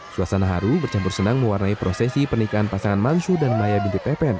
suasana haru bercampur senang mewarnai prosesi pernikahan pasangan mansu dan maya binti pepen